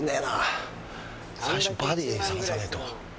最初バディ探さねえと。